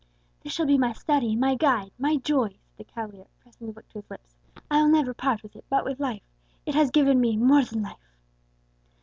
"This shall be my study, my guide, my joy!" said the cavalier, pressing the book to his lips. "I will never part with it but with life; it has given me more than life!"